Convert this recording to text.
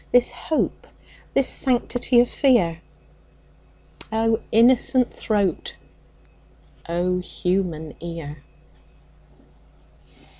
This hope, this sanctity of fear?O innocent throat! O human ear!